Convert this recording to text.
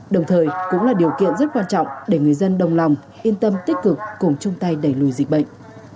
đồng thời cũng là điều kiện rất quan trọng để người dân đồng lòng yên tâm tích cực cùng chung tay đẩy lùi dịch bệnh